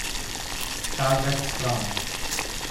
Calvert Strong